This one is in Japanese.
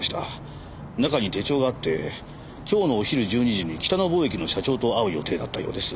中に手帳があって今日のお昼１２時に北野貿易の社長と会う予定だったようです。